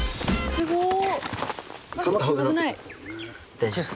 すごい。